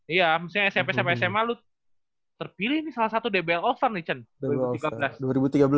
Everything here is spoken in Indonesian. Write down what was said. iya maksudnya smp sampai sma lu terpilih nih salah satu dbl all star nih jeng